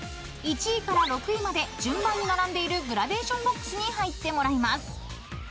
１位から６位まで順番に並んでいるＧＲＡＤＡＴＩＯＮＢＯＸに入ってもらいます］